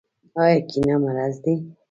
آیا کینه مرض دی؟